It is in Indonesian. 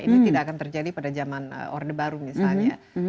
ini tidak akan terjadi pada zaman orde baru misalnya